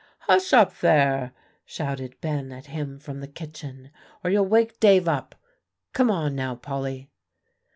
"Hush up there," shouted Ben at him, from the kitchen, "or you'll wake Dave up. Come on, now, Polly."